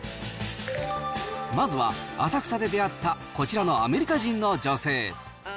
まずは浅草で出会った、こちらのアメリカ人の女性。